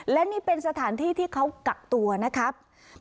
และนี่เป็นสถานที่ที่เขากักตัวนะครับ